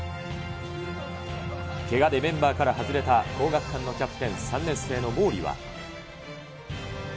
けがでメンバーから外れた皇學館のキャプテン、３年生の毛利は。